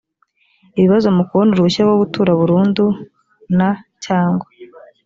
ibibazo mu kubona uruhushya rwo gutura burundu na cyangwa